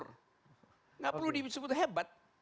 nggak perlu disebut hebat